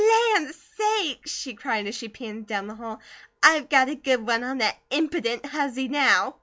"Land sakes!" she cried as she panted down the hall. "I've got a good one on that impident huzzy now!"